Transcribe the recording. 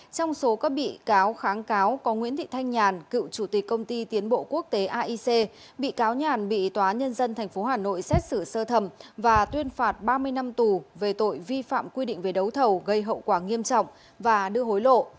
trong số các bị cáo kháng cáo có nguyễn thị thanh nhàn cựu chủ tịch công ty tiến bộ quốc tế aic bị cáo nhàn bị tòa nhân dân tp hà nội xét xử sơ thẩm và tuyên phạt ba mươi năm tù về tội vi phạm quy định về đấu thầu gây hậu quả nghiêm trọng và đưa hối lộ